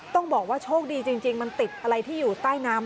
ต้องบอกว่าโชคดีจริงมันติดอะไรที่อยู่ใต้น้ำ